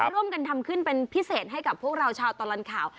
ร่วมกันทำขึ้นเป็นพิเศษให้กับพวกเราชาวตลอดข่าว